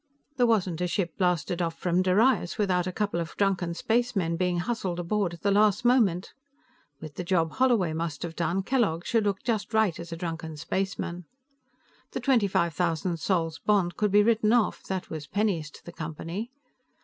There wasn't a ship blasted off from Darius without a couple of drunken spacemen being hustled aboard at the last moment; with the job Holloway must have done, Kellogg should look just right as a drunken spaceman. The twenty five thousand sols' bond could be written off; that was pennies to the Company.